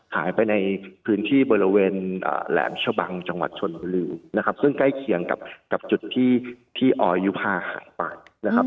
หายไปในพื้นที่บริเวณแหลมชะบังจังหวัดชนฮลิวซึ่งใกล้เคียงกับจุดที่ออยุภาหารป่าน